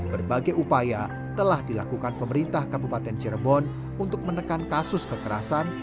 berbagai upaya telah dilakukan pemerintah kabupaten cirebon untuk menekan kasus kekerasan